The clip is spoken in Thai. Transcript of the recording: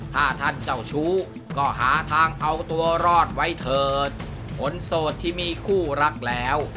ถ้าท่านเจ้าชู้ก็หาทางเอาตัวรอดไว้เถิดคนโสดที่มีคู่รักแล้ว